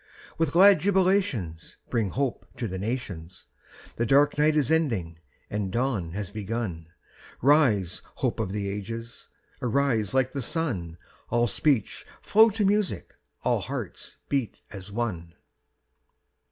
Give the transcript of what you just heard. With glad jubilations Bring hope to the nations The dark night is ending and dawn has begun Rise, hope of the ages, arise like the sun, All speech flow to music, all hearts beat as one!